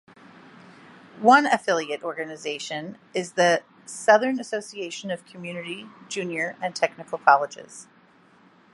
One affiliate organization is the Southern Association of Community, Junior, and Technical Colleges.